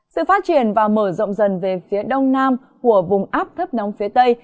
sự phát triển và mở rộng dần về phía đông nam của vùng áp thấp nóng phía tây